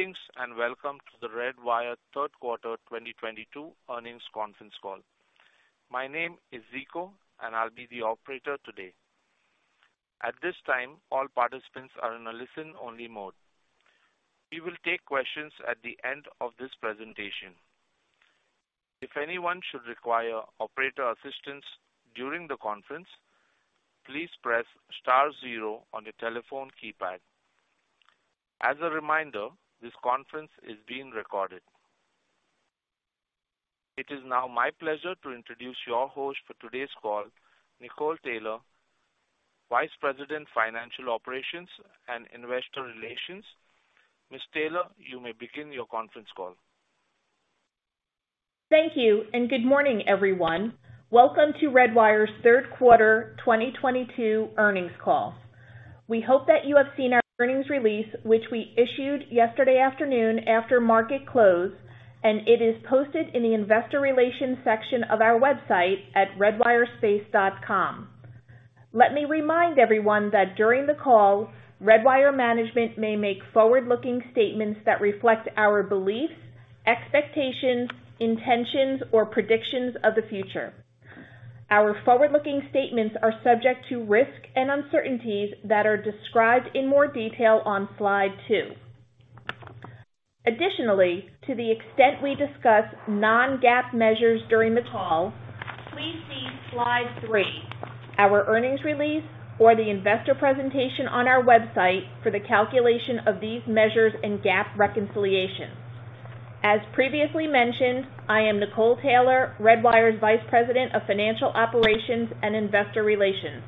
Thanks, welcome to the Redwire third quarter 2022 earnings conference call. My name is Zico, and I'll be the operator today. At this time, all participants are in a listen-only mode. We will take questions at the end of this presentation. If anyone should require operator assistance during the conference, please press star zero on your telephone keypad. As a reminder, this conference is being recorded. It is now my pleasure to introduce your host for today's call, Nicole Taylor, Vice President, Financial Operations and Investor Relations. Ms. Taylor, you may begin your conference call. Thank you, and good morning, everyone. Welcome to Redwire's third quarter 2022 earnings call. We hope that you have seen our earnings release, which we issued yesterday afternoon after market close, and it is posted in the investor relations section of our website at redwirespace.com. Let me remind everyone that during the call, Redwire management may make forward-looking statements that reflect our beliefs, expectations, intentions, or predictions of the future. Our forward-looking statements are subject to risks and uncertainties that are described in more detail on slide two. Additionally, to the extent we discuss non-GAAP measures during the call, please see slide three, our earnings release or the investor presentation on our website for the calculation of these measures and GAAP reconciliations. As previously mentioned, I am Nicole Taylor, Redwire's Vice President of Financial Operations and Investor Relations.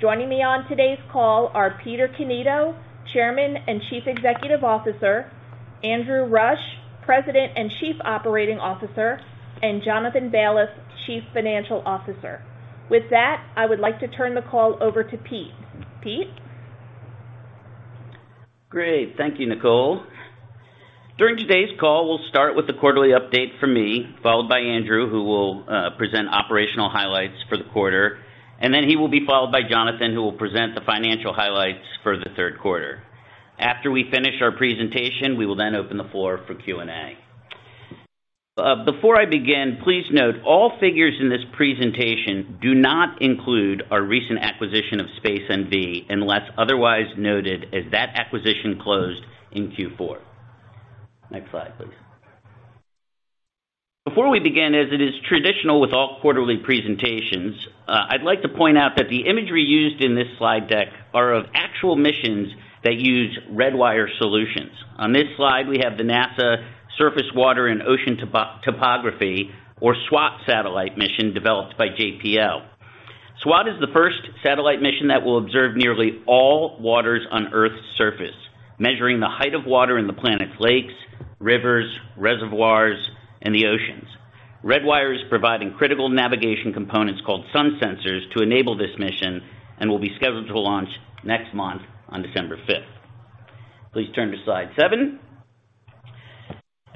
Joining me on today's call are Peter Cannito, Chairman and Chief Executive Officer, Andrew Rush, President and Chief Operating Officer, and Jonathan Baliff, Chief Financial Officer. With that, I would like to turn the call over to Pete. Pete? Great. Thank you, Nicole. During today's call, we'll start with the quarterly update from me, followed by Andrew, who will present operational highlights for the quarter. Then he will be followed by Jonathan, who will present the financial highlights for the third quarter. After we finish our presentation, we will then open the floor for Q&A. Before I begin, please note all figures in this presentation do not include our recent acquisition of Space NV, unless otherwise noted, as that acquisition closed in Q4. Next slide, please. Before we begin, as it is traditional with all quarterly presentations, I'd like to point out that the imagery used in this slide deck are of actual missions that use Redwire solutions. On this slide, we have the NASA Surface Water and Ocean Topography or SWOT satellite mission developed by JPL. SWOT is the first satellite mission that will observe nearly all waters on Earth's surface, measuring the height of water in the planet's lakes, rivers, reservoirs, and the oceans. Redwire is providing critical navigation components called Sun sensors to enable this mission and will be scheduled to launch next month on December fifth. Please turn to slide seven.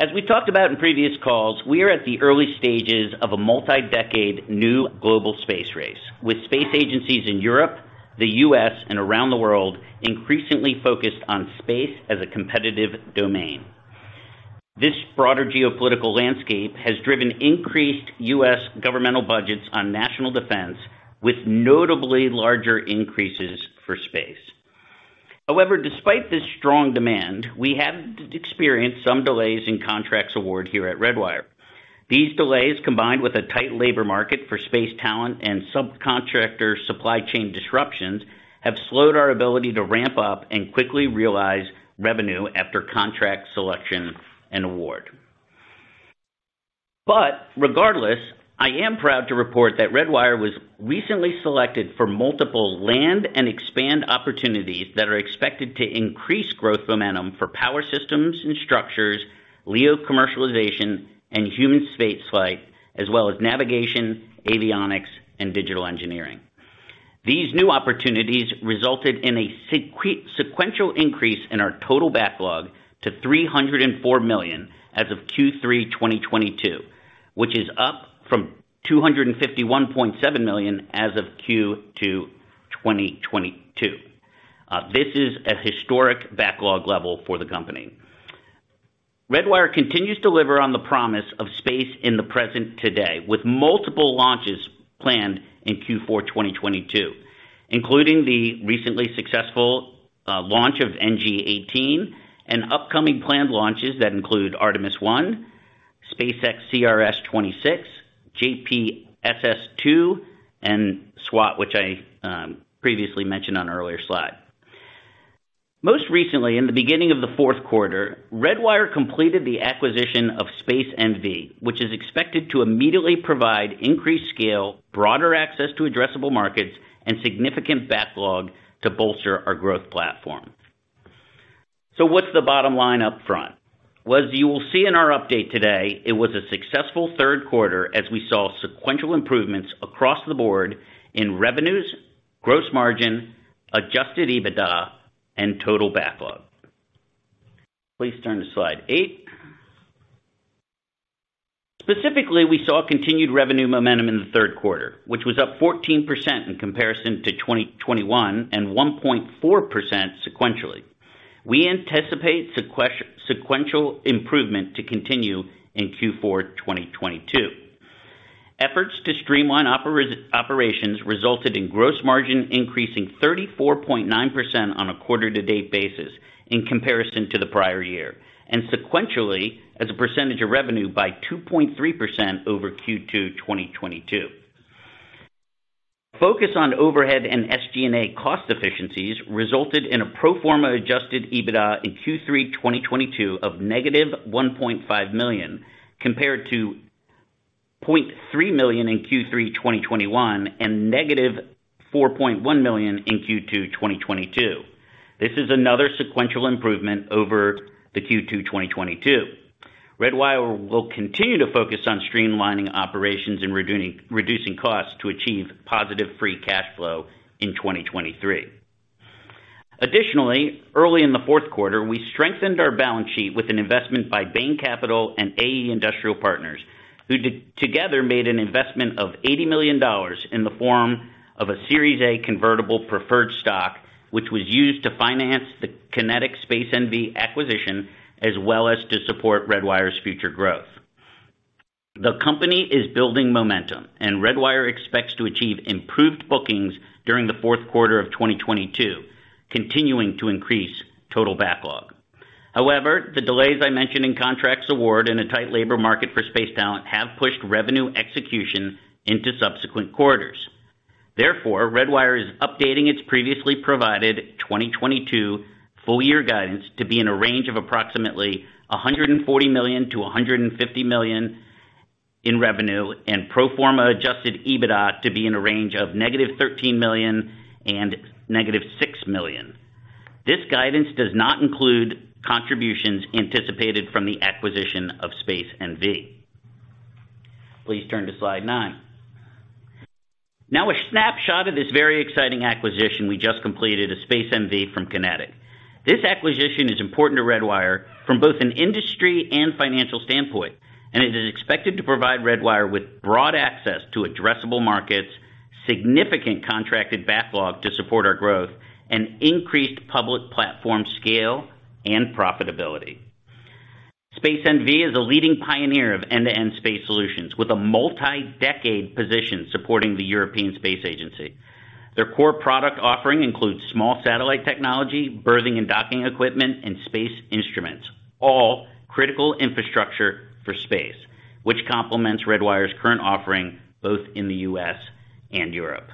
As we talked about in previous calls, we are at the early stages of a multi-decade new global space race, with space agencies in Europe, the U.S., and around the world increasingly focused on space as a competitive domain. This broader geopolitical landscape has driven increased U.S. governmental budgets on national defense with notably larger increases for space. However, despite this strong demand, we have experienced some delays in contract awards here at Redwire. These delays, combined with a tight labor market for space talent and subcontractor supply chain disruptions, have slowed our ability to ramp up and quickly realize revenue after contract selection and award. Regardless, I am proud to report that Redwire was recently selected for multiple land and expand opportunities that are expected to increase growth momentum for power systems and structures, LEO commercialization, and human spaceflight, as well as navigation, avionics, and digital engineering. These new opportunities resulted in a sequential increase in our total backlog to $304 million as of Q3 2022, which is up from $251.7 million as of Q2 2022. This is a historic backlog level for the company. Redwire continues to deliver on the promise of space in the present today with multiple launches planned in Q4 2022, including the recently successful launch of NG-18 and upcoming planned launches that include Artemis I, SpaceX CRS-26, JPSS-2, and SWOT, which I previously mentioned on an earlier slide. Most recently, in the beginning of the fourth quarter, Redwire completed the acquisition of Space NV, which is expected to immediately provide increased scale, broader access to addressable markets and significant backlog to bolster our growth platform. What's the bottom line up front? Well, as you will see in our update today, it was a successful third quarter as we saw sequential improvements across the board in revenues, gross margin, adjusted EBITDA, and total backlog. Please turn to slide eight. Specifically, we saw continued revenue momentum in the third quarter, which was up 14% in comparison to 2021 and 1.4% sequentially. We anticipate sequential improvement to continue in Q4 2022. Efforts to streamline operations resulted in gross margin increasing 34.9% on a quarter to date basis in comparison to the prior year, and sequentially as a percentage of revenue by 2.3% over Q2 2022. Focus on overhead and SG&A cost efficiencies resulted in a pro forma adjusted EBITDA in Q3 2022 of -$1.5 million compared to $0.3 million in Q3 2021 and -$4.1 million in Q2 2022. This is another sequential improvement over the Q2 2022. Redwire will continue to focus on streamlining operations and reducing costs to achieve positive free cash flow in 2023. Additionally, early in the fourth quarter, we strengthened our balance sheet with an investment by Bain Capital and AE Industrial Partners, who together made an investment of $80 million in the form of a Series A convertible preferred stock, which was used to finance the QinetiQ Space NV acquisition as well as to support Redwire's future growth. The company is building momentum, and Redwire expects to achieve improved bookings during the fourth quarter of 2022, continuing to increase total backlog. However, the delays I mentioned in contracts award and a tight labor market for space talent have pushed revenue execution into subsequent quarters. Therefore, Redwire is updating its previously provided 2022 full year guidance to be in a range of approximately $140 million-$150 million in revenue and pro forma adjusted EBITDA to be in a range of -$13 million -$6 million. This guidance does not include contributions anticipated from the acquisition of Space NV. Please turn to slide nine. Now, a snapshot of this very exciting acquisition we just completed of Space NV from QinetiQ. This acquisition is important to Redwire from both an industry and financial standpoint, and it is expected to provide Redwire with broad access to addressable markets, significant contracted backlog to support our growth, and increased public platform scale and profitability. Space NV is a leading pioneer of end-to-end space solutions with a multi-decade position supporting the European Space Agency. Their core product offering includes small satellite technology, berthing and docking equipment, and space instruments, all critical infrastructure for space, which complements Redwire's current offering both in the US and Europe.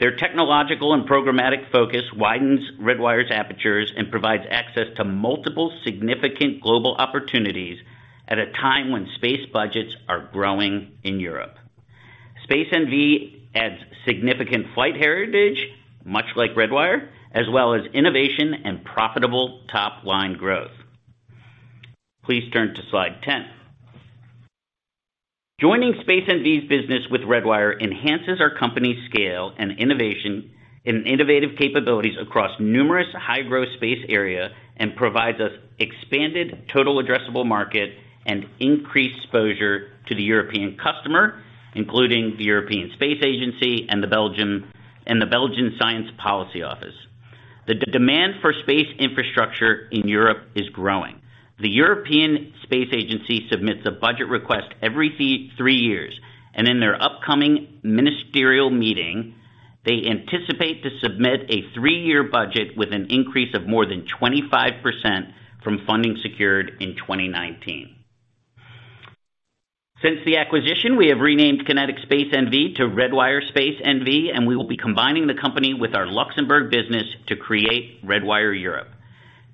Their technological and programmatic focus widens Redwire's apertures and provides access to multiple significant global opportunities at a time when space budgets are growing in Europe. Space NV adds significant flight heritage, much like Redwire, as well as innovation and profitable top-line growth. Please turn to slide 10. Joining Space NV's business with Redwire enhances our company's scale and innovation and innovative capabilities across numerous high-growth space area and provides us expanded total addressable market and increased exposure to the European customer, including the European Space Agency and the Belgian Science Policy Office. The demand for space infrastructure in Europe is growing. The European Space Agency submits a budget request every three years, and in their upcoming ministerial meeting, they anticipate to submit a three-year budget with an increase of more than 25% from funding secured in 2019. Since the acquisition, we have renamed QinetiQ Space NV to Redwire Space NV, and we will be combining the company with our Luxembourg business to create Redwire Europe.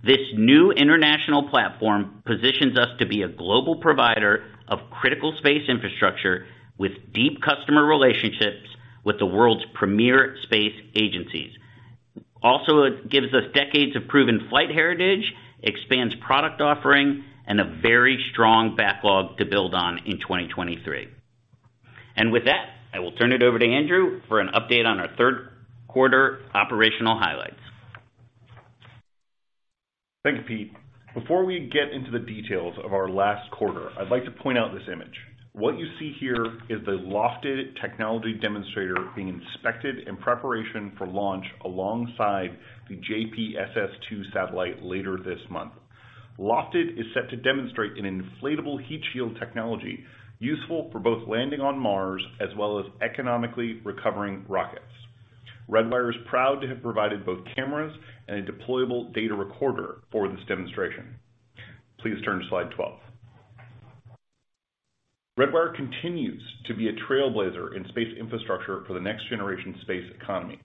This new international platform positions us to be a global provider of critical space infrastructure with deep customer relationships with the world's premier space agencies. Also, it gives us decades of proven flight heritage, expands product offering, and a very strong backlog to build on in 2023. With that, I will turn it over to Andrew for an update on our third quarter operational highlights. Thank you, Pete. Before we get into the details of our last quarter, I'd like to point out this image. What you see here is the LOFTID technology demonstrator being inspected in preparation for launch alongside the JPSS-2 satellite later this month. LOFTID is set to demonstrate an inflatable heat shield technology useful for both landing on Mars as well as economically recovering rockets. Redwire is proud to have provided both cameras and a deployable data recorder for this demonstration. Please turn to slide 12. Redwire continues to be a trailblazer in space infrastructure for the next generation space economy.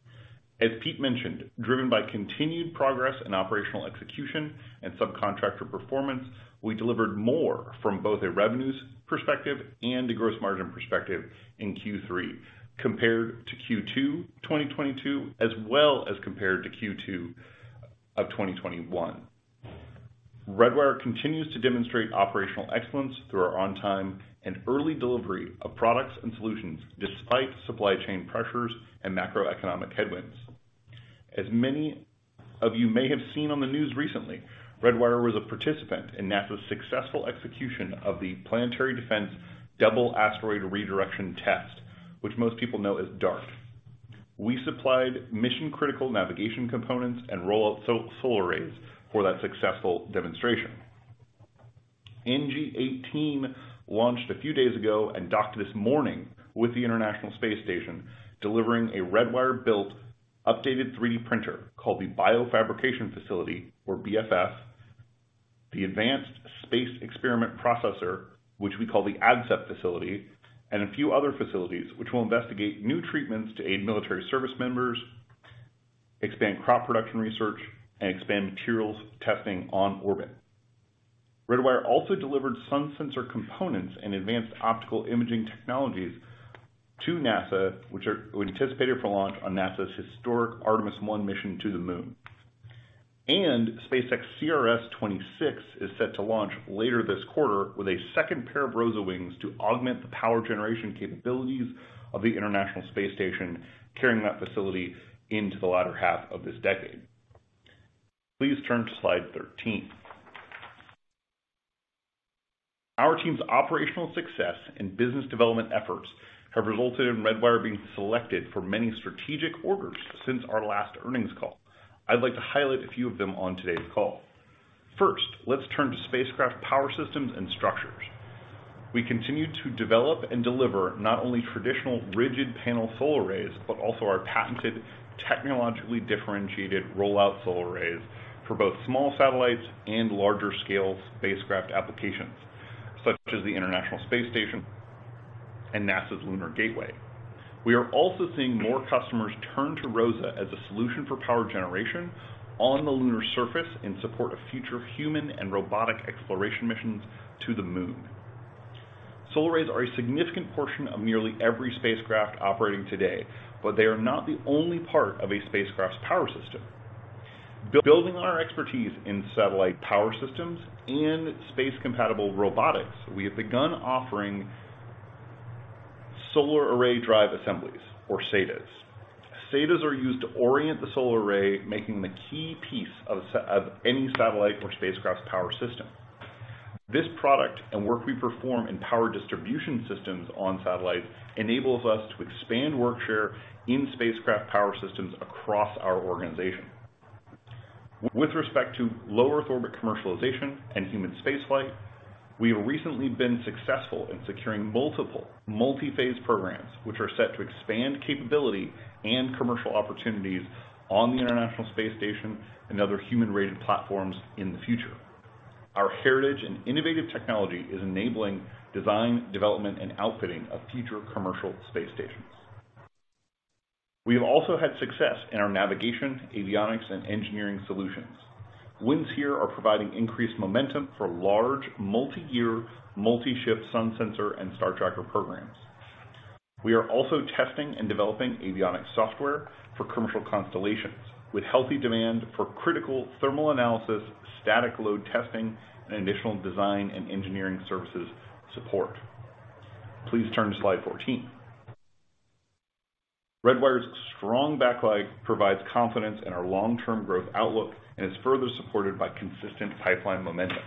As Pete mentioned, driven by continued progress in operational execution and subcontractor performance, we delivered more from both a revenues perspective and a gross margin perspective in Q3 compared to Q2, 2022, as well as compared to Q2 of 2021. Redwire continues to demonstrate operational excellence through our on time and early delivery of products and solutions despite supply chain pressures and macroeconomic headwinds. As many of you may have seen on the news recently, Redwire was a participant in NASA's successful execution of the Planetary Defense Double Asteroid Redirection Test, which most people know as DART. We supplied mission-critical navigation components and roll-out solar arrays for that successful demonstration. NG-18 launched a few days ago and docked this morning with the International Space Station, delivering a Redwire-built updated 3D printer called the BioFabrication Facility or BFF, the Advanced Space Experiment Processor, which we call the ADSEP facility, and a few other facilities which will investigate new treatments to aid military service members, expand crop production research, and expand materials testing on orbit. Redwire also delivered sun sensor components and advanced optical imaging technologies to NASA, which we anticipated for launch on NASA's historic Artemis I mission to the Moon. SpaceX CRS-26 is set to launch later this quarter with a second pair of ROSA wings to augment the power generation capabilities of the International Space Station, carrying that facility into the latter half of this decade. Please turn to slide 13. Our team's operational success and business development efforts have resulted in Redwire being selected for many strategic orders since our last earnings call. I'd like to highlight a few of them on today's call. First, let's turn to spacecraft power systems and structures. We continue to develop and deliver not only traditional rigid panel solar arrays, but also our patented technologically differentiated Roll-Out Solar Arrays for both small satellites and larger scale spacecraft applications, such as the International Space Station and NASA's Lunar Gateway. We are also seeing more customers turn to ROSA as a solution for power generation on the lunar surface in support of future human and robotic exploration missions to the Moon. Solar arrays are a significant portion of nearly every spacecraft operating today, but they are not the only part of a spacecraft's power system. Building on our expertise in satellite power systems and space-compatible robotics, we have begun offering solar array drive assemblies or SADAs. SADAs are used to orient the solar array, making the key piece of any satellite or spacecraft's power system. This product and work we perform in power distribution systems on satellites enables us to expand workshare in spacecraft power systems across our organization. With respect to low Earth orbit commercialization and human spaceflight, we have recently been successful in securing multiple multi-phase programs, which are set to expand capability and commercial opportunities on the International Space Station and other human-rated platforms in the future. Our heritage and innovative technology is enabling design, development, and outfitting of future commercial space stations. We have also had success in our navigation, avionics, and engineering solutions. Wins here are providing increased momentum for large multi-year, multi-ship sun sensor and Star Tracker programs. We are also testing and developing avionics software for commercial constellations with healthy demand for critical thermal analysis, static load testing, and additional design and engineering services support. Please turn to slide 14. Redwire's strong backlog provides confidence in our long-term growth outlook and is further supported by consistent pipeline momentum.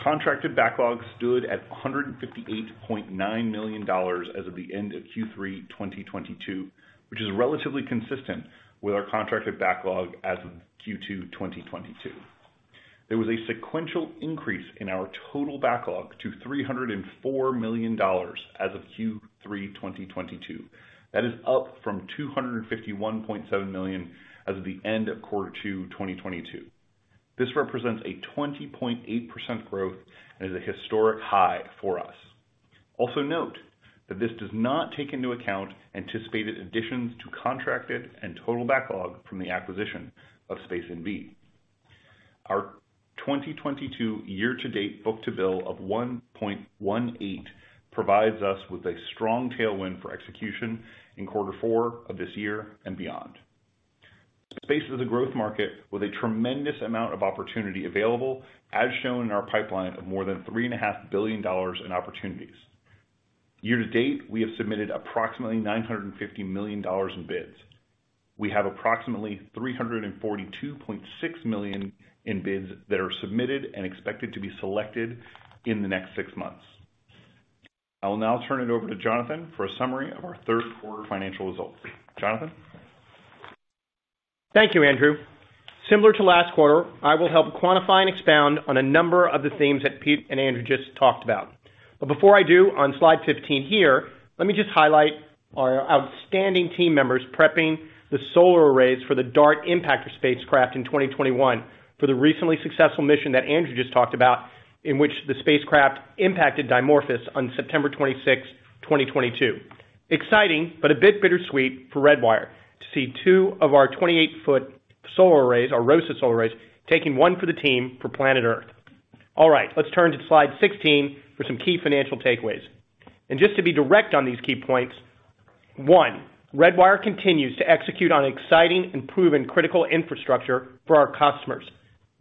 Contracted backlog stood at $158.9 million as of the end of Q3 2022, which is relatively consistent with our contracted backlog as of Q2 2022. There was a sequential increase in our total backlog to $304 million as of Q3 2022. That is up from $251.7 million as of the end of Q2 2022. This represents a 20.8% growth and is a historic high for us. Also note that this does not take into account anticipated additions to contracted and total backlog from the acquisition of Space NV. Our 2022 year-to-date book-to-bill of 1.18 provides us with a strong tailwind for execution in quarter four of this year and beyond. Space is a growth market with a tremendous amount of opportunity available as shown in our pipeline of more than $3.5 billion in opportunities. Year to date, we have submitted approximately $950 million in bids. We have approximately $342.6 million in bids that are submitted and expected to be selected in the next six months. I will now turn it over to Jonathan for a summary of our third quarter financial results. Jonathan? Thank you, Andrew. Similar to last quarter, I will help quantify and expound on a number of the themes that Pete and Andrew just talked about. Before I do, on slide 15 here, let me just highlight our outstanding team members prepping the solar arrays for the DART impactor spacecraft in 2021 for the recently successful mission that Andrew just talked about, in which the spacecraft impacted Dimorphos on September 26, 2022. Exciting, but a bit bittersweet for Redwire to see two of our 28-foot solar arrays, our ROSA solar arrays, taking one for the team for planet Earth. All right. Let's turn to slide 16 for some key financial takeaways. Just to be direct on these key points. One, Redwire continues to execute on exciting and proven critical infrastructure for our customers.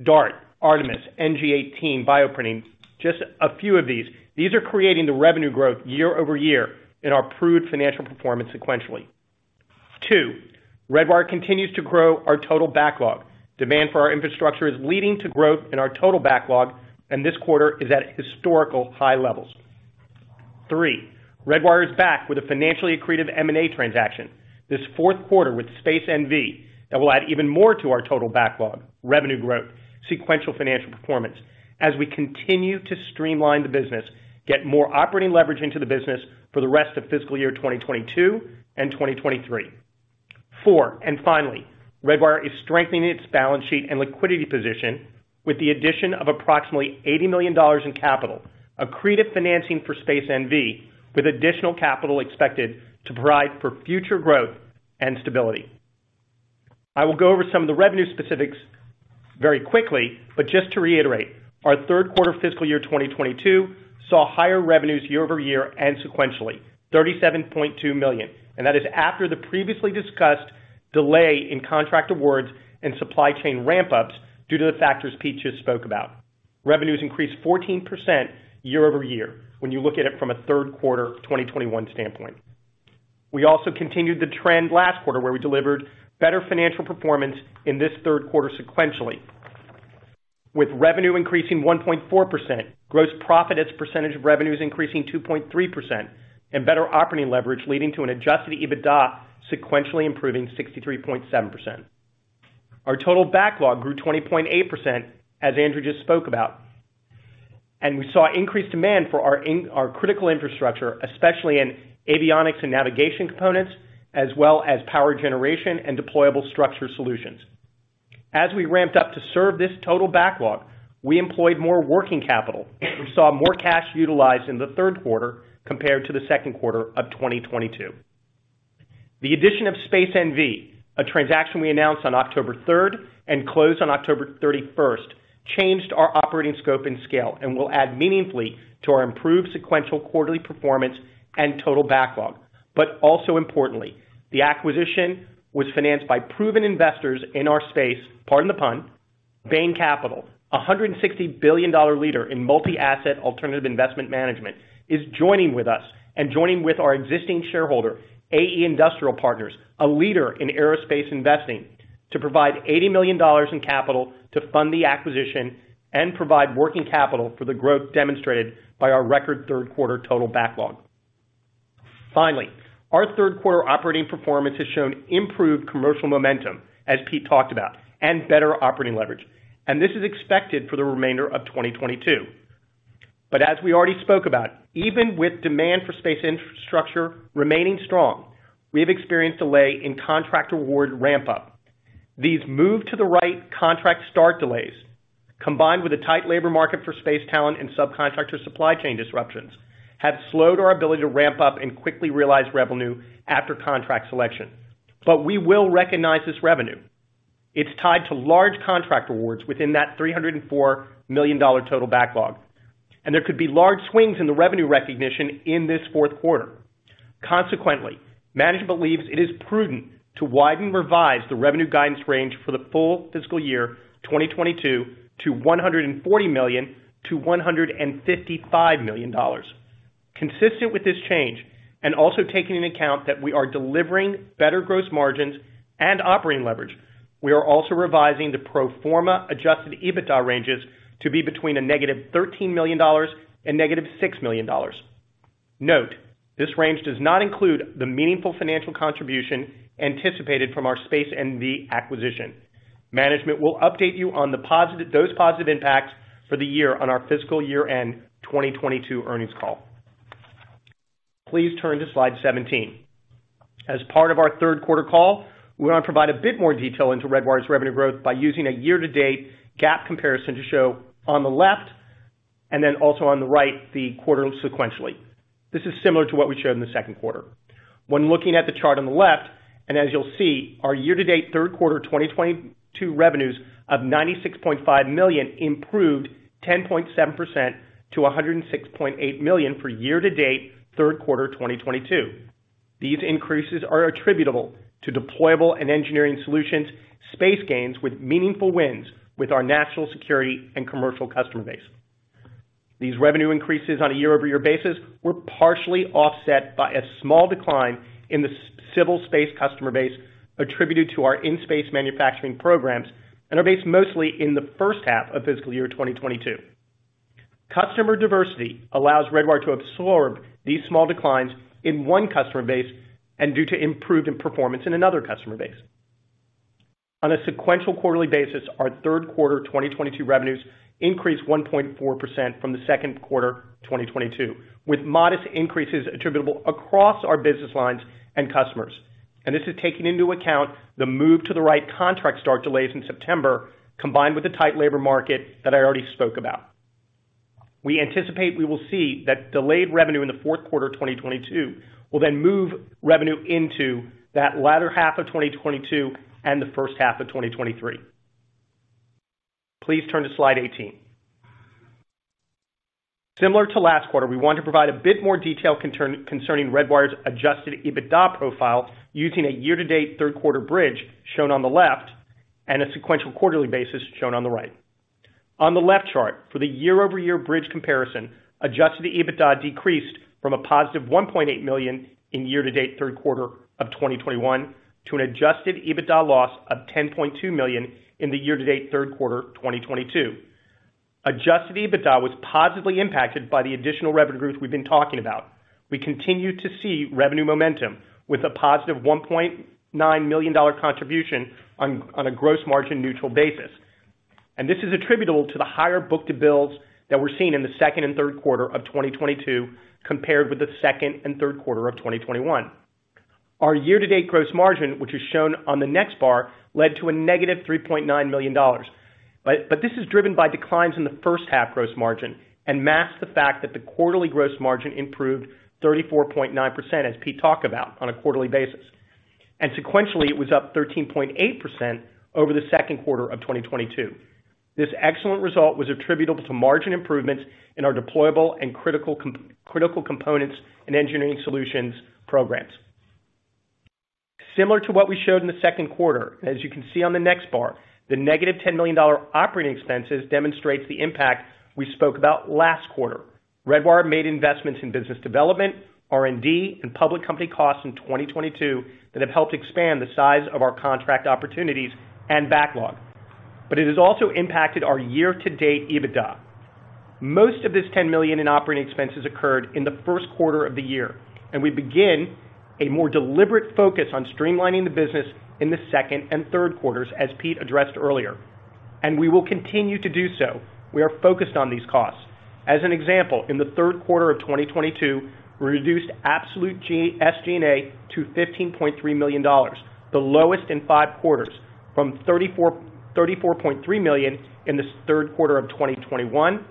DART, Artemis, NG-18 bioprinting, just a few of these. These are creating the revenue growth year-over-year in our improved financial performance sequentially. two, Redwire continues to grow our total backlog. Demand for our infrastructure is leading to growth in our total backlog, and this quarter is at historical high levels. Three, Redwire is back with a financially accretive M&A transaction. This fourth quarter with Space NV that will add even more to our total backlog, revenue growth, sequential financial performance as we continue to streamline the business, get more operating leverage into the business for the rest of fiscal year 2022 and 2023. Four, and finally, Redwire is strengthening its balance sheet and liquidity position with the addition of approximately $80 million in capital, accretive financing for Space NV, with additional capital expected to provide for future growth and stability. I will go over some of the revenue specifics very quickly, but just to reiterate, our third quarter fiscal year 2022 saw higher revenues year-over-year and sequentially, $37.2 million. That is after the previously discussed delay in contract awards and supply chain ramp-ups due to the factors Pete just spoke about. Revenues increased 14% year-over-year when you look at it from a third quarter 2021 standpoint. We also continued the trend last quarter where we delivered better financial performance in this third quarter sequentially, with revenue increasing 1.4%. Gross profit as a percentage of revenue is increasing 2.3%, and better operating leverage leading to an adjusted EBITDA sequentially improving 63.7%. Our total backlog grew 20.8%, as Andrew just spoke about. We saw increased demand for our critical infrastructure, especially in avionics and navigation components, as well as power generation and deployable structure solutions. As we ramped up to serve this total backlog, we employed more working capital. We saw more cash utilized in the third quarter compared to the second quarter of 2022. The addition of Space NV, a transaction we announced on October 3 and closed on October 31, changed our operating scope and scale and will add meaningfully to our improved sequential quarterly performance and total backlog. Also importantly, the acquisition was financed by proven investors in our space, pardon the pun. Bain Capital, a $160 billion leader in multi-asset alternative investment management, is joining with us and joining with our existing shareholder, AE Industrial Partners, a leader in aerospace investing, to provide $80 million in capital to fund the acquisition and provide working capital for the growth demonstrated by our record third quarter total backlog. Finally, our third quarter operating performance has shown improved commercial momentum, as Pete talked about, and better operating leverage. This is expected for the remainder of 2022. As we already spoke about, even with demand for space infrastructure remaining strong, we have experienced delay in contract award ramp-up. These move-to-the-right contract start delays, combined with a tight labor market for space talent and subcontractor supply chain disruptions, have slowed our ability to ramp up and quickly realize revenue after contract selection. We will recognize this revenue. It's tied to large contract awards within that $304 million total backlog, and there could be large swings in the revenue recognition in this fourth quarter. Consequently, management believes it is prudent to widen revise the revenue guidance range for the full fiscal year 2022 to $140 million-$155 million. Consistent with this change, and also taking into account that we are delivering better gross margins and operating leverage, we are also revising the pro forma adjusted EBITDA ranges to be between -$13 million and -$6 million. Note, this range does not include the meaningful financial contribution anticipated from our Space NV acquisition. Management will update you on those positive impacts for the year on our fiscal year-end 2022 earnings call. Please turn to slide 17. As part of our third quarter call, we want to provide a bit more detail into Redwire's revenue growth by using a year-to-date GAAP comparison to show on the left and then also on the right, the quarter sequentially. This is similar to what we showed in the second quarter. When looking at the chart on the left, and as you'll see, our year-to-date third quarter 2022 revenues of $96.5 million improved 10.7% to $106.8 million for year-to-date third quarter 2022. These increases are attributable to deployable and engineering solutions space gains with meaningful wins with our national security and commercial customer base. These revenue increases on a year-over-year basis were partially offset by a small decline in the U.S. civil space customer base attributed to our in-space manufacturing programs, and are based mostly in the first half of fiscal year 2022. Customer diversity allows Redwire to absorb these small declines in one customer base and due to improved performance in another customer base. On a sequential quarterly basis, our third quarter 2022 revenues increased 1.4% from the second quarter 2022, with modest increases attributable across our business lines and customers. This is taking into account the moved-to-the-right contract start delays in September, combined with the tight labor market that I already spoke about. We anticipate we will see that delayed revenue in the fourth quarter 2022 will then move revenue into that latter half of 2022 and the first half of 2023. Please turn to slide 18. Similar to last quarter, we want to provide a bit more detail concerning Redwire's adjusted EBITDA profile using a year-to-date third quarter bridge shown on the left, and a sequential quarterly basis shown on the right. On the left chart, for the year-over-year bridge comparison, adjusted EBITDA decreased from a positive $1.8 million in year-to-date third quarter of 2021 to an adjusted EBITDA loss of $10.2 million in the year-to-date third quarter 2022. Adjusted EBITDA was positively impacted by the additional revenue growth we've been talking about. We continue to see revenue momentum with a positive $1.9 million contribution on a gross margin neutral basis. This is attributable to the higher book-to-bills that we're seeing in the second and third quarter of 2022, compared with the second and third quarter of 2021. Our year-to-date gross margin, which is shown on the next bar, led to a -$3.9 million. This is driven by declines in the first half gross margin and masks the fact that the quarterly gross margin improved 34.9%, as Pete talked about, on a quarterly basis. Sequentially, it was up 13.8% over the second quarter of 2022. This excellent result was attributable to margin improvements in our deployable and critical components and engineering solutions programs. Similar to what we showed in the second quarter, as you can see on the next bar, the -$10 million operating expenses demonstrates the impact we spoke about last quarter. Redwire made investments in business development, R&D, and public company costs in 2022 that have helped expand the size of our contract opportunities and backlog. It has also impacted our year-to-date EBITDA. Most of this $10 million in operating expenses occurred in the first quarter of the year, and we begin a more deliberate focus on streamlining the business in the second and third quarters, as Pete addressed earlier. We will continue to do so. We are focused on these costs. As an example, in the third quarter of 2022, we reduced absolute SG&A to $15.3 million, the lowest in 5 quarters, from $34.3 million in the third quarter of 2021,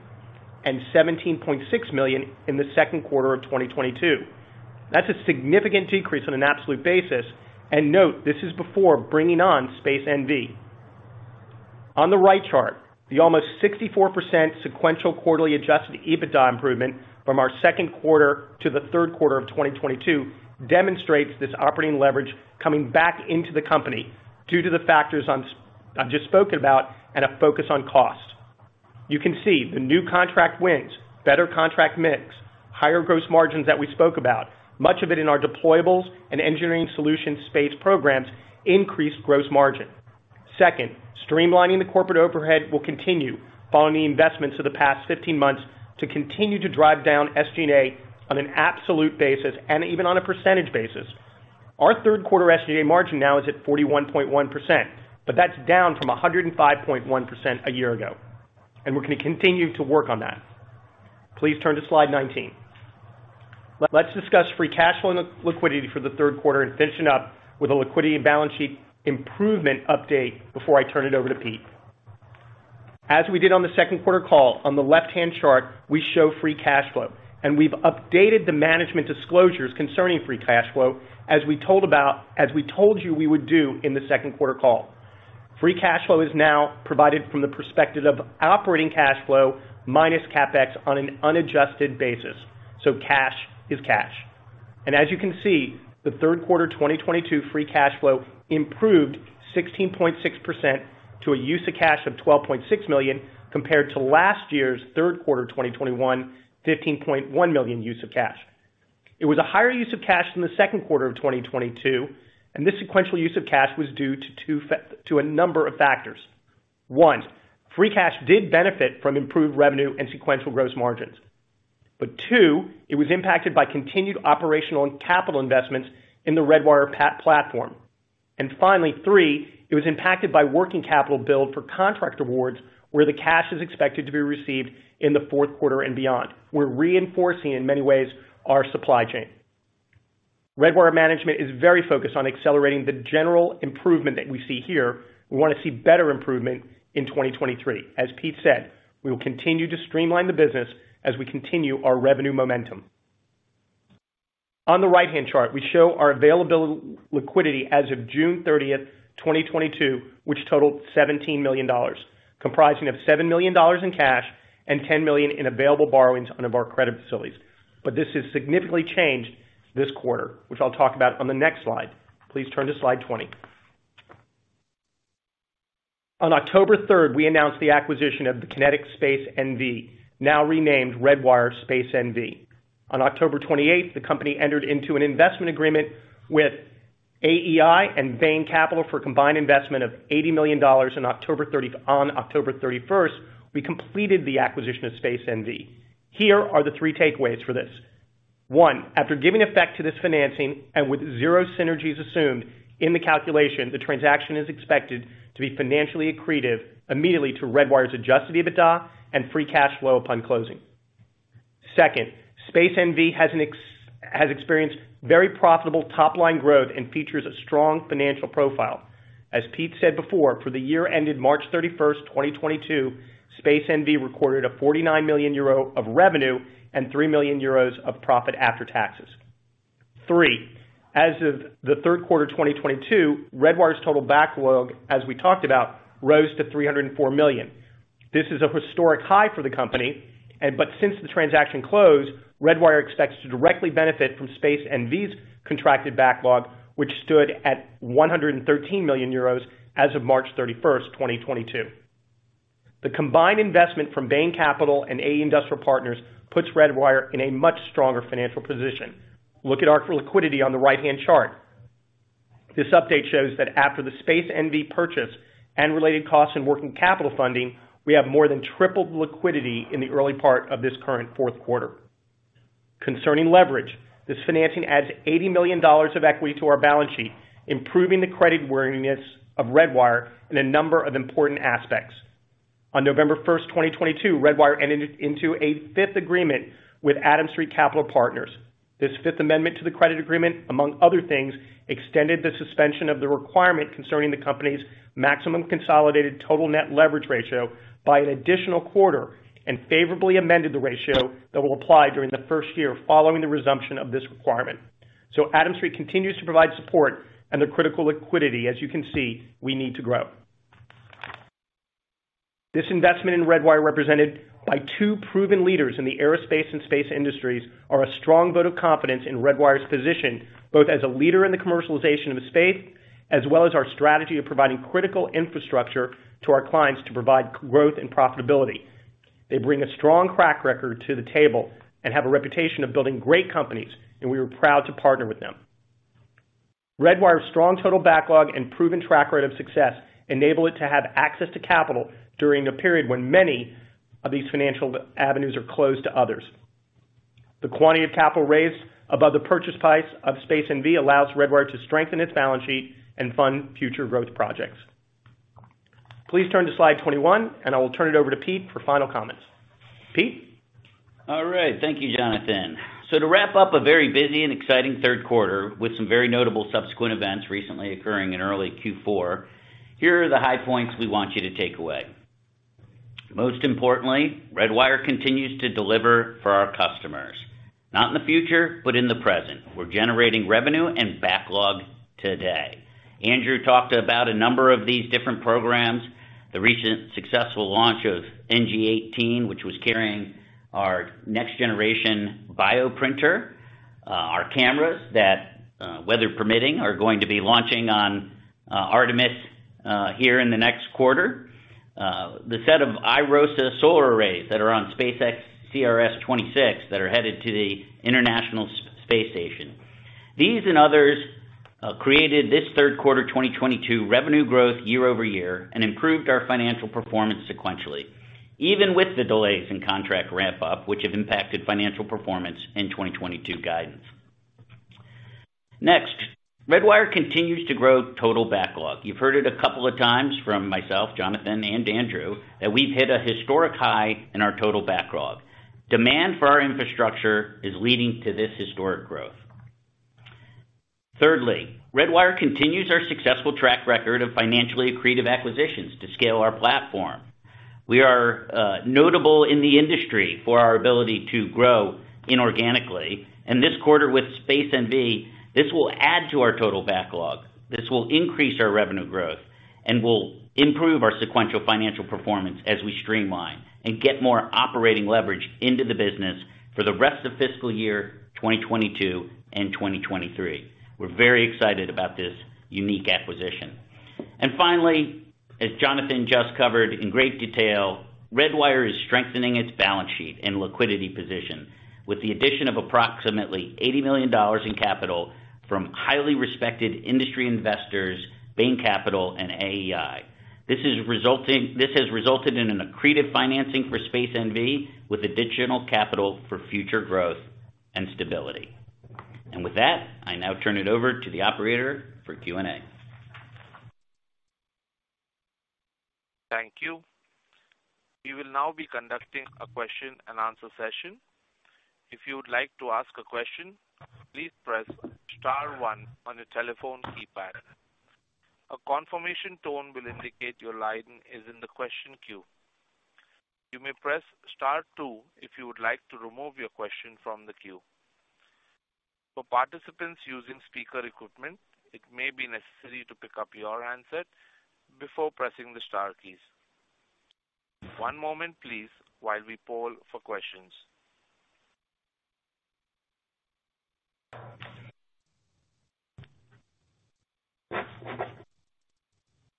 and $17.6 million in the second quarter of 2022. That's a significant decrease on an absolute basis. Note, this is before bringing on Space NV. On the right chart, the almost 64% sequential quarterly adjusted EBITDA improvement from our second quarter to the third quarter of 2022 demonstrates this operating leverage coming back into the company due to the factors I've just spoken about and a focus on cost. You can see the new contract wins, better contract mix, higher gross margins that we spoke about, much of it in our deployables and engineering solution space programs, increased gross margin. Second, streamlining the corporate overhead will continue following the investments of the past 15 months to continue to drive down SG&A on an absolute basis and even on a percentage basis. Our third quarter SG&A margin now is at 41.1%, but that's down from 105.1% a year ago. We're gonna continue to work on that. Please turn to slide 19. Let's discuss free cash flow and liquidity for the third quarter and finishing up with a liquidity and balance sheet improvement update before I turn it over to Pete. As we did on the second quarter call, on the left-hand chart, we show free cash flow, and we've updated the management disclosures concerning free cash flow as we told you we would do in the second quarter call. Free cash flow is now provided from the perspective of operating cash flow minus CapEx on an unadjusted basis. Cash is cash. As you can see, the third quarter 2022 free cash flow improved 16.6% to a use of cash of $12.6 million, compared to last year's third quarter 2021 $15.1 million use of cash. It was a higher use of cash than the second quarter of 2022, and this sequential use of cash was due to a number of factors. One, free cash did benefit from improved revenue and sequential gross margins. Two, it was impacted by continued operational and capital investments in the Redwire platform. Finally, three, it was impacted by working capital build for contract awards, where the cash is expected to be received in the fourth quarter and beyond. We're reinforcing, in many ways, our supply chain. Redwire management is very focused on accelerating the general improvement that we see here. We wanna see better improvement in 2023. As Pete said, we will continue to streamline the business as we continue our revenue momentum. On the right-hand chart, we show our liquidity as of June 30, 2022, which totaled $17 million, comprising of $7 million in cash and $10 million in available borrowings under our credit facilities. This has significantly changed this quarter, which I'll talk about on the next slide. Please turn to slide 20. On October 3, we announced the acquisition of the QinetiQ Space NV, now renamed Redwire Space nv. On October 28th, the company entered into an investment agreement with AEI and Bain Capital for a combined investment of $80 million on October 31st, we completed the acquisition of Space NV. Here are the three takeaways for this. One, after giving effect to this financing and with 0 synergies assumed in the calculation, the transaction is expected to be financially accretive immediately to Redwire's adjusted EBITDA and free cash flow upon closing. Second, Space NV has experienced very profitable top-line growth and features a strong financial profile. As Pete said before, for the year ended March 31, 2022, Space NV recorded 49 million euro of revenue and 3 million euros of profit after taxes. Three, as of the third quarter 2022, Redwire's total backlog, as we talked about, rose to $304 million. This is a historic high for the company, since the transaction closed, Redwire expects to directly benefit from Space NV's contracted backlog, which stood at 113 million euros as of March 31st, 2022. The combined investment from Bain Capital and AE Industrial Partners puts Redwire in a much stronger financial position. Look at our liquidity on the right-hand chart. This update shows that after the Space NV purchase and related costs and working capital funding, we have more than tripled liquidity in the early part of this current fourth quarter. Concerning leverage, this financing adds $80 million of equity to our balance sheet, improving the creditworthiness of Redwire in a number of important aspects. On November 1st, 2022, Redwire entered into a fifth agreement with Adams Street Partners. This fifth amendment to the credit agreement, among other things, extended the suspension of the requirement concerning the company's maximum consolidated total net leverage ratio by an additional quarter and favorably amended the ratio that will apply during the first year following the resumption of this requirement. Adams Street continues to provide support and the critical liquidity, as you can see, we need to grow. This investment in Redwire, represented by two proven leaders in the aerospace and space industries, are a strong vote of confidence in Redwire's position, both as a leader in the commercialization of space, as well as our strategy of providing critical infrastructure to our clients to provide growth and profitability. They bring a strong track record to the table and have a reputation of building great companies, and we are proud to partner with them. Redwire's strong total backlog and proven track rate of success enable it to have access to capital during a period when many of these financial avenues are closed to others. The quantity of capital raised above the purchase price of Space NV allows Redwire to strengthen its balance sheet and fund future growth projects. Please turn to slide 21, and I will turn it over to Pete for final comments. Pete? All right. Thank you, Jonathan. To wrap up a very busy and exciting third quarter with some very notable subsequent events recently occurring in early Q4, here are the high points we want you to take away. Most importantly, Redwire continues to deliver for our customers, not in the future, but in the present. We're generating revenue and backlog today. Andrew talked about a number of these different programs. The recent successful launch of NG-18, which was carrying our next generation bioprinter, our cameras that, weather permitting, are going to be launching on, Artemis, here in the next quarter. The set of iROSA solar arrays that are on SpaceX CRS-26 that are headed to the International Space Station. These and others created this third quarter 2022 revenue growth year-over-year and improved our financial performance sequentially, even with the delays in contract ramp-up, which have impacted financial performance in 2022 guidance. Next, Redwire continues to grow total backlog. You've heard it a couple of times from myself, Jonathan, and Andrew, that we've hit a historic high in our total backlog. Demand for our infrastructure is leading to this historic growth. Thirdly, Redwire continues our successful track record of financially accretive acquisitions to scale our platform. We are notable in the industry for our ability to grow inorganically. This quarter with Space NV, this will add to our total backlog. This will increase our revenue growth and will improve our sequential financial performance as we streamline and get more operating leverage into the business for the rest of fiscal year 2022 and 2023. We're very excited about this unique acquisition. Finally, as Jonathan just covered in great detail, Redwire is strengthening its balance sheet and liquidity position with the addition of approximately $80 million in capital from highly respected industry investors, Bain Capital and AEI. This has resulted in an accretive financing for Space NV with additional capital for future growth and stability. With that, I now turn it over to the operator for Q&A. Thank you. We will now be conducting a question and answer session. If you would like to ask a question, please press star one on your telephone keypad. A confirmation tone will indicate your line is in the question queue. You may press star two if you would like to remove your question from the queue. For participants using speaker equipment, it may be necessary to pick up your handset before pressing the star keys. One moment, please, while we poll for questions.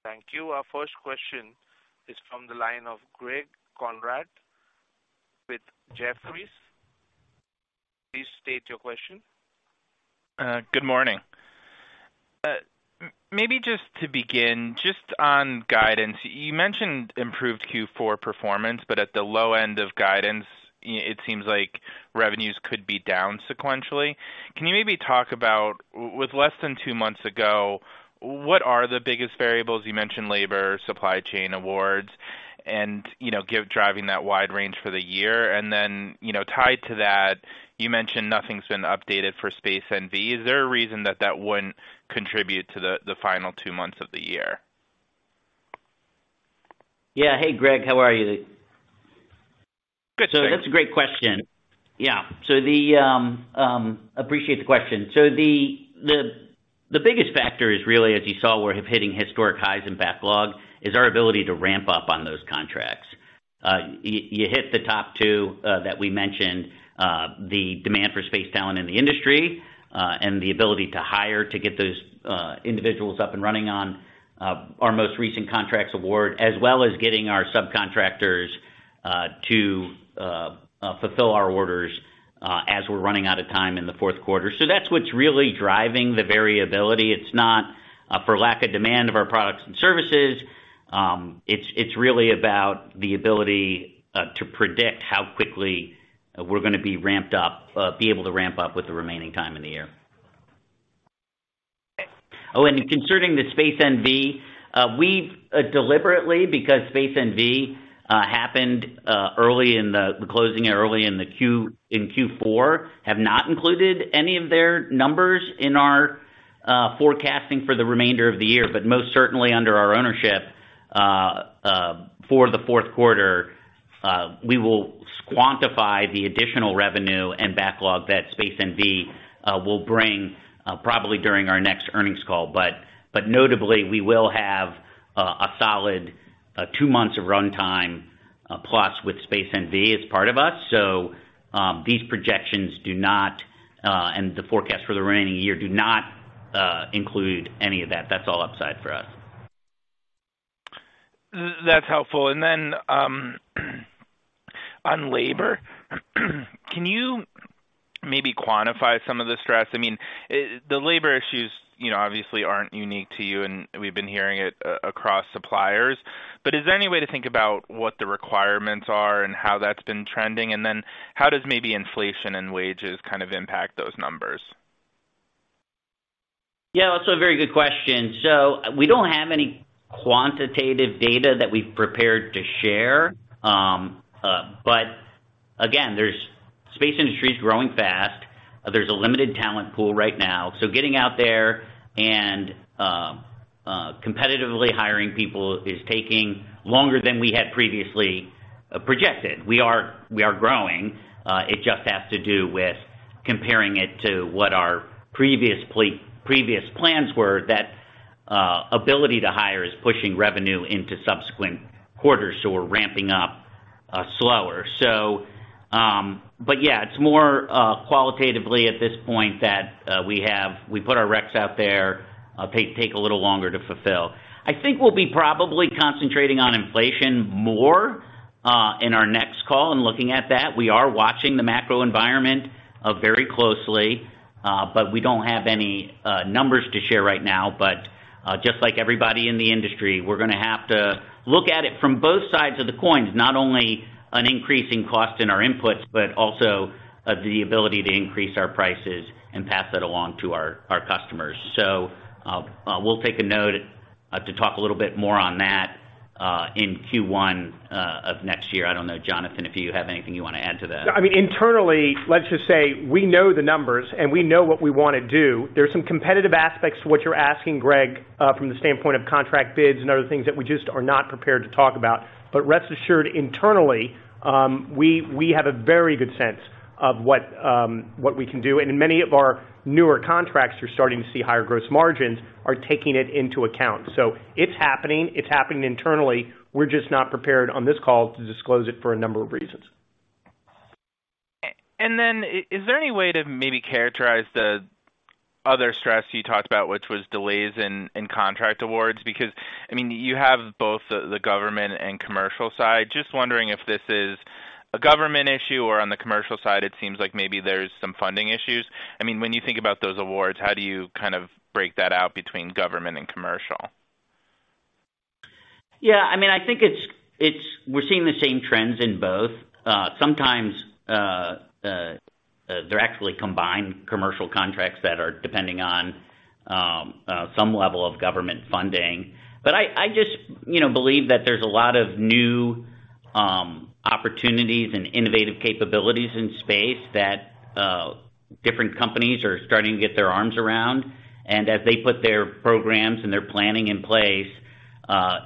Thank you. Our first question is from the line of Greg Konrad with Jefferies. Please state your question. Good morning. Maybe just to begin, just on guidance, you mentioned improved Q4 performance, but at the low end of guidance, it seems like revenues could be down sequentially. Can you maybe talk about, with less than two months ago, what are the biggest variables? You mentioned labor, supply chain, awards, and, you know, driving that wide range for the year. You know, tied to that, you mentioned nothing's been updated for Space NV. Is there a reason that that wouldn't contribute to the final two months of the year? Yeah. Hey Greg, how are you? Good, thanks. That's a great question. Yeah. Appreciate the question. The biggest factor is really, as you saw, we're hitting historic highs in backlog, is our ability to ramp up on those contracts. You hit the top two that we mentioned, the demand for space talent in the industry, and the ability to hire to get those individuals up and running on our most recent contracts award, as well as getting our subcontractors to fulfill our orders as we're running out of time in the fourth quarter. That's what's really driving the variability. It's not for lack of demand of our products and services. It's really about the ability to predict how quickly we're gonna be able to ramp up with the remaining time in the year. Okay. Oh, concerning the Space NV, we've deliberately, because Space NV happened early in closing early in Q4, have not included any of their numbers in our forecasting for the remainder of the year. Most certainly under our ownership, for the fourth quarter, we will quantify the additional revenue and backlog that Space NV will bring, probably during our next earnings call. Notably, we will have a solid two months of runtime plus with Space NV as part of us. These projections do not and the forecast for the remaining year do not include any of that. That's all upside for us. That's helpful. On labor, can you maybe quantify some of the stress? I mean, the labor issues, you know, obviously aren't unique to you, and we've been hearing it across suppliers. Is there any way to think about what the requirements are and how that's been trending? How does maybe inflation and wages kind of impact those numbers? Yeah, that's a very good question. We don't have any quantitative data that we've prepared to share. Again, the space industry is growing fast. There's a limited talent pool right now. Getting out there and competitively hiring people is taking longer than we had previously projected. We are growing. It just has to do with comparing it to what our previous plans were. That ability to hire is pushing revenue into subsequent quarters, so we're ramping up slower. Yeah, it's more qualitatively at this point that we put our recs out there take a little longer to fulfill. I think we'll be probably concentrating on inflation more in our next call and looking at that. We are watching the macro environment very closely, but we don't have any numbers to share right now. Just like everybody in the industry, we're gonna have to look at it from both sides of the coin, not only an increase in cost in our inputs, but also the ability to increase our prices and pass that along to our customers. We'll take a note to talk a little bit more on that in Q1 of next year. I don't know, Jonathan, if you have anything you wanna add to that. I mean, internally, let's just say we know the numbers, and we know what we wanna do. There are some competitive aspects to what you're asking, Greg, from the standpoint of contract bids and other things that we just are not prepared to talk about. Rest assured, internally, we have a very good sense of what we can do. In many of our newer contracts, you're starting to see higher gross margins are taking it into account. It's happening. It's happening internally. We're just not prepared on this call to disclose it for a number of reasons. Is there any way to maybe characterize the other stress you talked about, which was delays in contract awards? Because, I mean, you have both the government and commercial side. Just wondering if this is a government issue or on the commercial side. It seems like maybe there's some funding issues. I mean, when you think about those awards, how do you kind of break that out between government and commercial? Yeah, I mean, I think it's. We're seeing the same trends in both. Sometimes they're actually combined commercial contracts that are depending on some level of government funding. I just, you know, believe that there's a lot of new opportunities and innovative capabilities in space that different companies are starting to get their arms around. As they put their programs and their planning in place,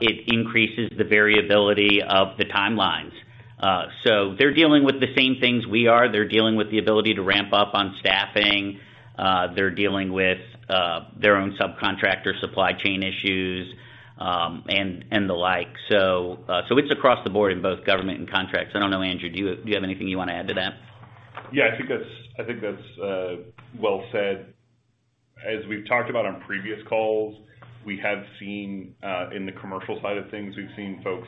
it increases the variability of the timelines. They're dealing with the same things we are. They're dealing with the ability to ramp up on staffing. They're dealing with their own subcontractor supply chain issues, and the like. It's across the board in both government and contracts. I don't know, Andrew, do you have anything you wanna add to that? I think that's well said. As we've talked about on previous calls, we have seen in the commercial side of things, we've seen folks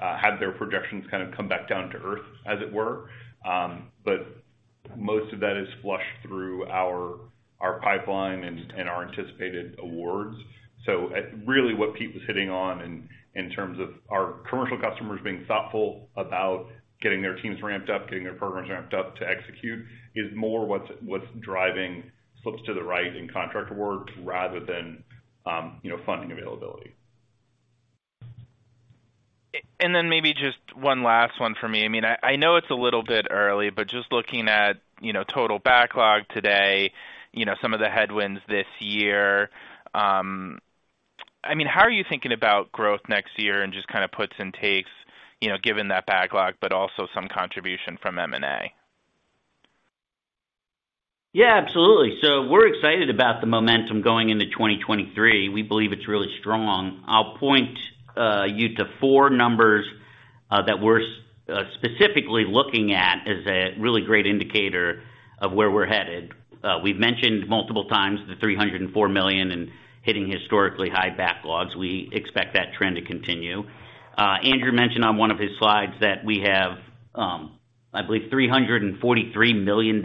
have their projections kind of come back down to earth, as it were. Most of that is flushed through our pipeline and our anticipated awards. Really what Pete was hitting on in terms of our commercial customers being thoughtful about getting their teams ramped up, getting their programs ramped up to execute is more what's driving slips to the right in contract awards rather than funding availability. Maybe just one last one for me. I mean, I know it's a little bit early, but just looking at, you know, total backlog today, you know, some of the headwinds this year, I mean, how are you thinking about growth next year and just kind of puts and takes, you know, given that backlog, but also some contribution from M&A? Yeah, absolutely. We're excited about the momentum going into 2023. We believe it's really strong. I'll point you to four numbers that we're specifically looking at as a really great indicator of where we're headed. We've mentioned multiple times the $304 million and hitting historically high backlogs. We expect that trend to continue. Andrew mentioned on one of his slides that we have, I believe $343 million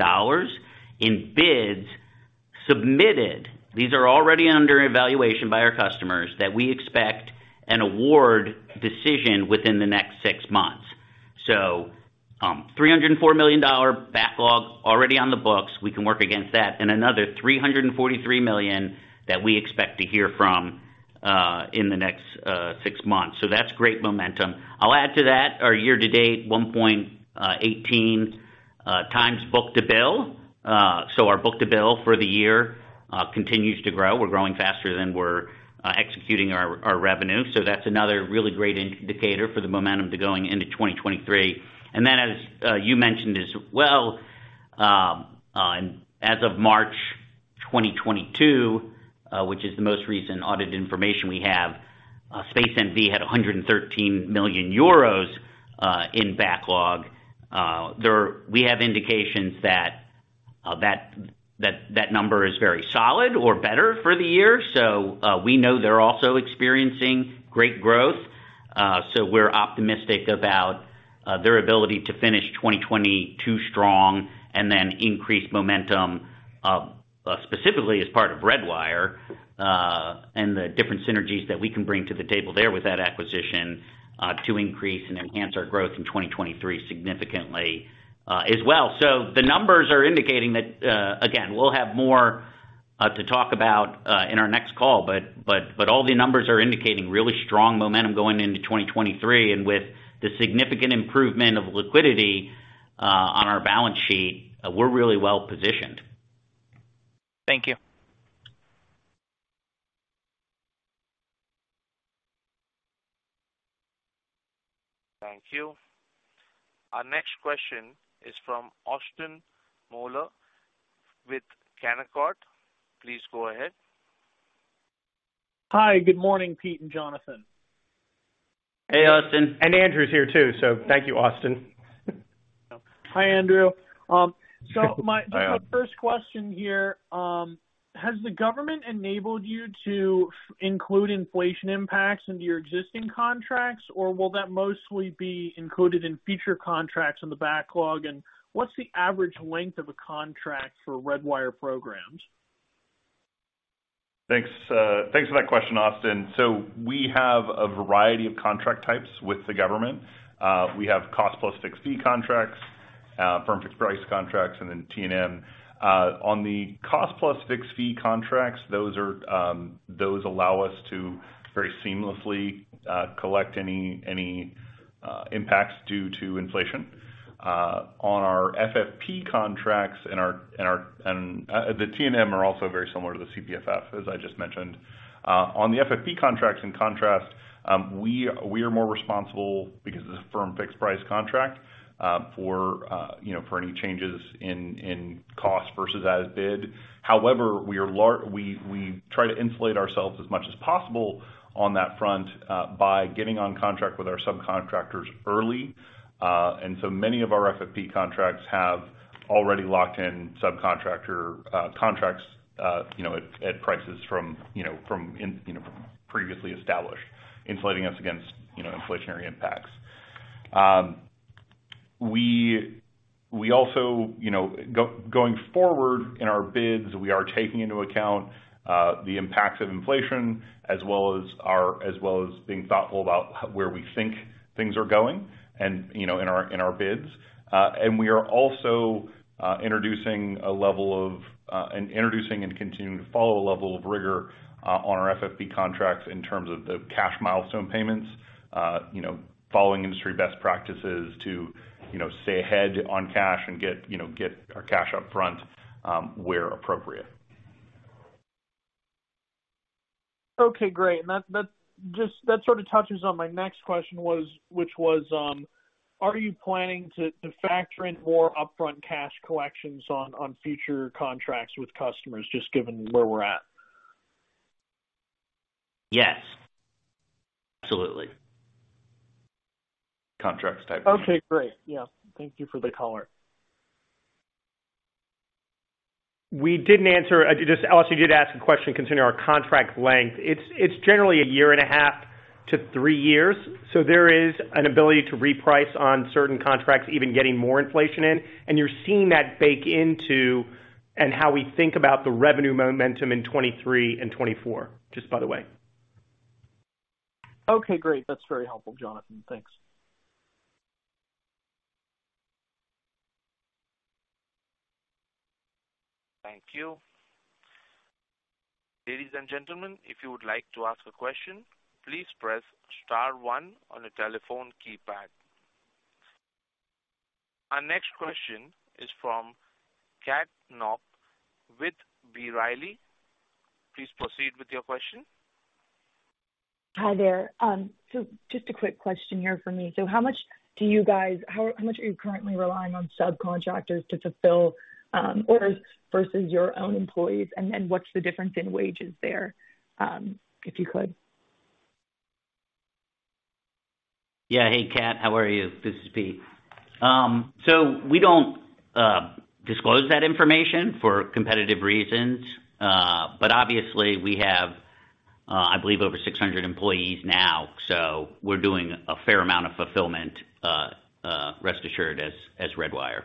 in bids submitted. These are already under evaluation by our customers that we expect an award decision within the next six months. $304 million-dollar backlog already on the books, we can work against that, and another $343 million that we expect to hear from in the next six months. That's great momentum. I'll add to that our year-to-date 1.18x book-to-bill. Our book-to-bill for the year continues to grow. We're growing faster than we're executing our revenue. That's another really great indicator for the momentum to going into 2023. As you mentioned as well, as of March 2022, which is the most recent audit information we have, Space NV had 113 million euros in backlog. We have indications that that number is very solid or better for the year. We know they're also experiencing great growth. We're optimistic about their ability to finish 2022 strong and then increase momentum, specifically as part of Redwire, and the different synergies that we can bring to the table there with that acquisition, to increase and enhance our growth in 2023 significantly, as well. The numbers are indicating that, again, we'll have more to talk about in our next call, but all the numbers are indicating really strong momentum going into 2023. With the significant improvement of liquidity on our balance sheet, we're really well positioned. Thank you. Thank you. Our next question is from Austin Moeller with Canaccord. Please go ahead. Hi, good morning, Pete and Jonathan. Hey, Austin. Andrew Rush's here too, so thank you, Austin Moeller. Hi, Andrew. Hi, Austin. Just my first question here. Has the government enabled you to include inflation impacts into your existing contracts, or will that mostly be included in future contracts in the backlog? What's the average length of a contract for Redwire programs? Thanks for that question, Austin. We have a variety of contract types with the government. We have cost-plus-fixed-fee contracts, firm-fixed-price contracts, and then T&M. On the cost-plus-fixed-fee contracts, those allow us to very seamlessly collect any impacts due to inflation. On our FFP contracts and our T&M are also very similar to the CPFF, as I just mentioned. On the FFP contracts, in contrast, we are more responsible because it's a firm-fixed-price contract, you know, for any changes in cost versus as bid. However, we try to insulate ourselves as much as possible on that front by getting on contract with our subcontractors early. Many of our FFP contracts have already locked in subcontractor contracts, you know, at prices from previously established, insulating us against, you know, inflationary impacts. We also, you know, going forward in our bids, we are taking into account the impacts of inflation as well as being thoughtful about where we think things are going and, you know, in our bids. We are also introducing and continuing to follow a level of rigor on our FFP contracts in terms of the cash milestone payments, you know, following industry best practices to stay ahead on cash and get our cash up front, where appropriate. Okay, great. That just sort of touches on my next question, which was are you planning to factor in more upfront cash collections on future contracts with customers, just given where we're at? Yes. Absolutely. Contracts type. Okay, great. Yeah. Thank you for the color. We didn't answer. Just Austin, you did ask a question concerning our contract length. It's generally a year and a half to three years. There is an ability to reprice on certain contracts, even getting more inflation in. You're seeing that bake into how we think about the revenue momentum in 2023 and 2024, just by the way. Okay, great. That's very helpful, Jonathan. Thanks. Thank you. Ladies and gentlemen, if you would like to ask a question, please press star one on your telephone keypad. Our next question is from Kat Knock with B. Riley. Please proceed with your question. Hi there. Just a quick question here for me. How much are you currently relying on subcontractors to fulfill orders versus your own employees? And what's the difference in wages there, if you could? Yeah. Hey, Kat, how are you? This is Pete. We don't disclose that information for competitive reasons. Obviously we have I believe over 600 employees now, so we're doing a fair amount of fulfillment, rest assured, as Redwire.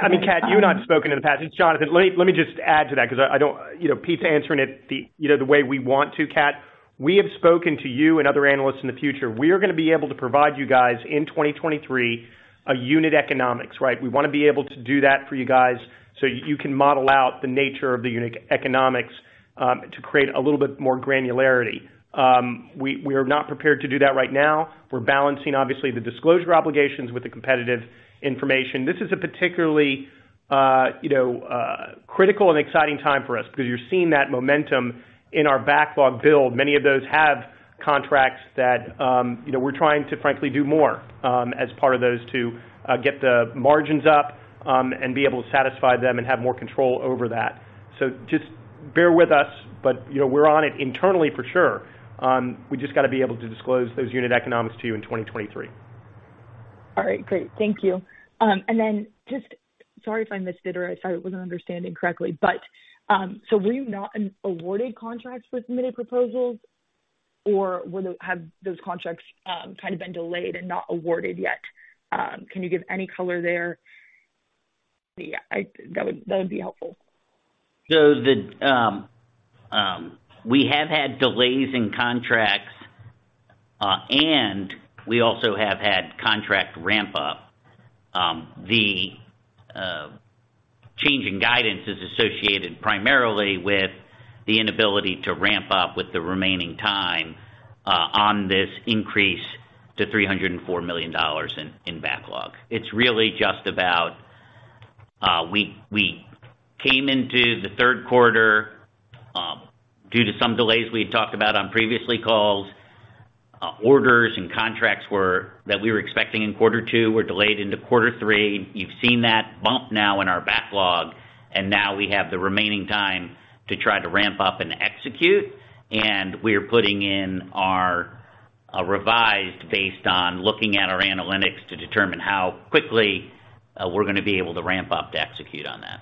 I mean, Kat, you and I have spoken in the past. It's Jonathan. Let me just add to that 'cause I don't. You know, Pete's answering it the way we want to, Kat. We have spoken to you and other analysts in the future. We are gonna be able to provide you guys, in 2023, a unit economics, right? We wanna be able to do that for you guys so you can model out the nature of the unit economics to create a little bit more granularity. We are not prepared to do that right now. We're balancing, obviously, the disclosure obligations with the competitive information. This is a particularly critical and exciting time for us because you're seeing that momentum in our backlog build. Many of those have contracts that, you know, we're trying to frankly do more, as part of those to get the margins up, and be able to satisfy them and have more control over that. Just bear with us, but, you know, we're on it internally for sure. We just gotta be able to disclose those unit economics to you in 2023. All right, great. Thank you. Sorry if I missed it or if I wasn't understanding correctly, but were you not awarded contracts with submitted proposals or have those contracts kind of been delayed and not awarded yet? Can you give any color there? Yeah. That would be helpful. We have had delays in contracts, and we also have had contract ramp-up. Change in guidance is associated primarily with the inability to ramp up with the remaining time on this increase to $304 million in backlog. It's really just about, we came into the third quarter due to some delays we had talked about on previous calls. Orders and contracts that we were expecting in quarter two were delayed into quarter three. You've seen that bump now in our backlog, and now we have the remaining time to try to ramp up and execute. We're putting in our revised based on looking at our analytics to determine how quickly we're gonna be able to ramp up to execute on that.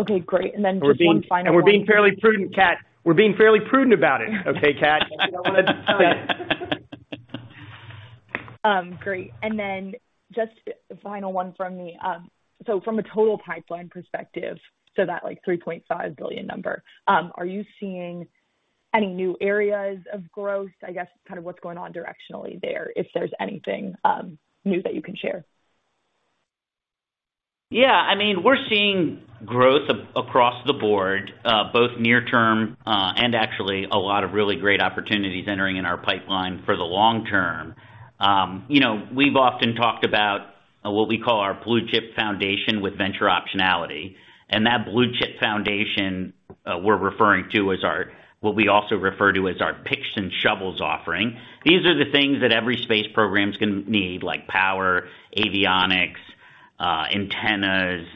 Okay, great. Just one final one. We're being fairly prudent, Kat. We're being fairly prudent about it, okay, Kat? Great. Just a final one from me. From a total pipeline perspective, so that like $3.5 billion number, are you seeing any new areas of growth? I guess kind of what's going on directionally there, if there's anything new that you can share. Yeah. I mean, we're seeing growth across the board, both near term, and actually a lot of really great opportunities entering in our pipeline for the long term. You know, we've often talked about what we call our blue chip foundation with venture optionality. That blue chip foundation, we're referring to as our, what we also refer to as our picks and shovels offering. These are the things that every space program's gonna need, like power, avionics, antennas,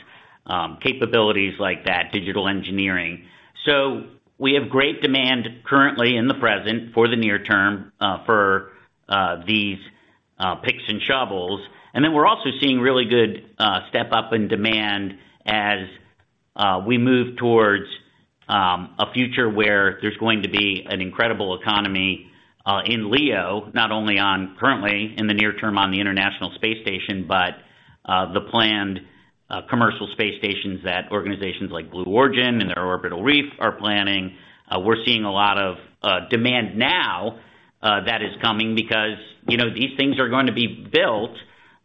capabilities like that, digital engineering. We have great demand currently in the present for the near term, for these picks and shovels. We're also seeing really good step up in demand as we move towards a future where there's going to be an incredible economy in LEO. Not only currently in the near term on the International Space Station, but the planned commercial space stations that organizations like Blue Origin and their Orbital Reef are planning. We're seeing a lot of demand now that is coming because, you know, these things are going to be built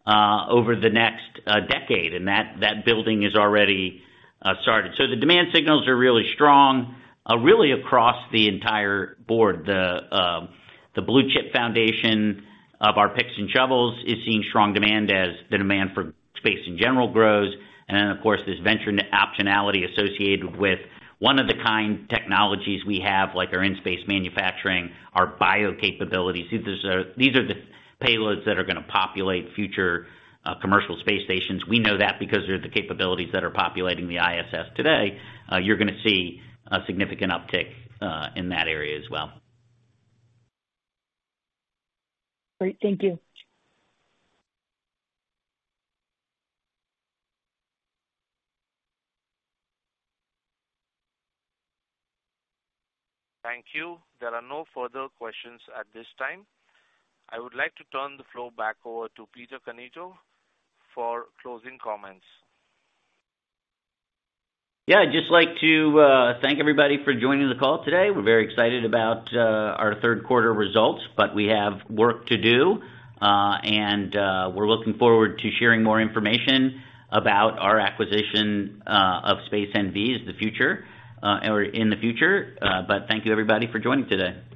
over the next decade, and that building is already started. So the demand signals are really strong, really across the entire board. The blue chip foundation of our picks and shovels is seeing strong demand as the demand for space in general grows. Then, of course, there's venture optionality associated with one-of-a-kind technologies we have, like our in-space manufacturing, our bio capabilities. These are the payloads that are gonna populate future commercial space stations. We know that because they're the capabilities that are populating the ISS today. You're gonna see a significant uptick in that area as well. Great. Thank you. Thank you. There are no further questions at this time. I would like to turn the floor back over to Peter Cannito for closing comments. Yeah. I'd just like to thank everybody for joining the call today. We're very excited about our third quarter results, but we have work to do. We're looking forward to sharing more information about our acquisition of SpaceNV in the future. Thank you everybody for joining today.